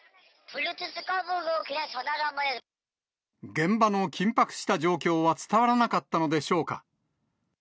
現場の緊迫した状況は伝わらなかったのでしょうか。